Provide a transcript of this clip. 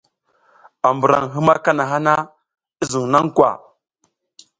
A mburan hima kanaha na, i zun na kwa ?